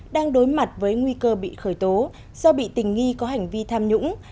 đang đối mặt với nguy cơ bị khởi tố do bị tình nghi có hành vi tham nhũng